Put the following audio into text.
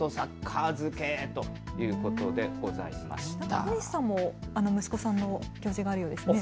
小西さんも息子さんの用事があるようですね。